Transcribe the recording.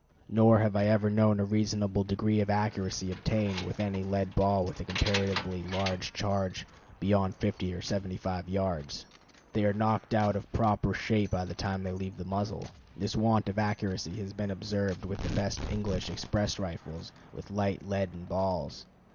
Nor have I ever known a reasonable degree of accuracy obtained with any lead ball with a comparatively large charge, beyond 50 or 75 yards. They are knocked out of proper shape by the time they leave the muzzle. This want of accuracy has been observed with the best English express rifles with light leaden balls.